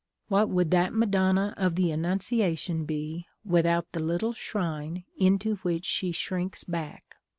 What would that Madonna of the Annunciation be, without the little shrine into which she shrinks back?